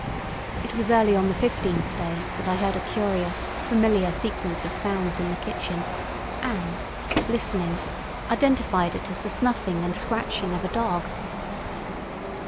It was early on the fifteenth day that I heard a curious, familiar sequence of sounds in the kitchen, and, listening, identified it as the snuffing and scratching of a dog.